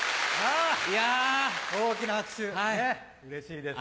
大きな拍手うれしいですよ。